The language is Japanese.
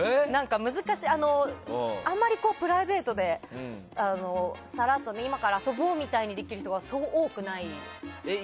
あまりプライベートでさらっと今から遊ぼうみたいにできる人がそう多くない。